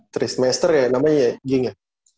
terus semester ya namanya ya ging ya